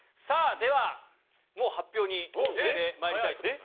では、もう発表に進んでまいりたいと思います。